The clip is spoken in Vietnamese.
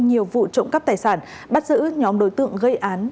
nhiều vụ trộm cắp tài sản bắt giữ nhóm đối tượng gây án